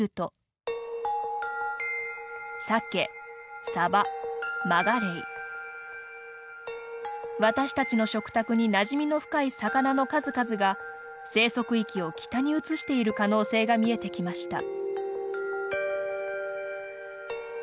サケサバマガレイ私たちの食卓になじみの深い魚の数々が生息域を北に移している可能性が見えてきました。